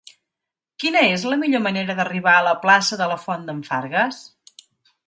Quina és la millor manera d'arribar a la plaça de la Font d'en Fargues?